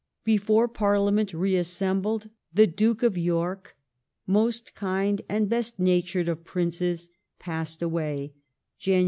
Before Parliament reassembled the Duke of York, " most kind and best natured of Princes," ^ passed away (Jan.